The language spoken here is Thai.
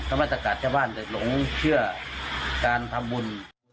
ถ้าไม่ตระกัดชาวบ้านแต่หลงเชื่อการทำบุญ